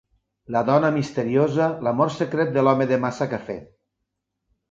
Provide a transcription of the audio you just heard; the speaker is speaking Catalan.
La dona misteriosa - l'amor secret de l'Home de Massa Cafè.